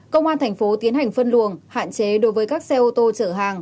công an thành phố tiến hành phân luồng hạn chế đối với các xe ô tô chở hàng